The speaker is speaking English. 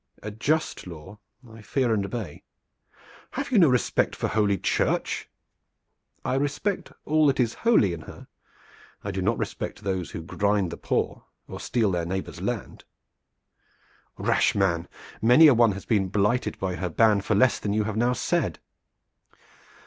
"A just law I fear and obey." "Have you no respect for Holy Church?" "I respect all that is holy in her. I do not respect those who grind the poor or steal their neighbor's land." "Rash man, many a one has been blighted by her ban for less than you have now said!